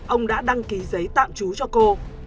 ông đã đăng ký giấy tạm trú cho cô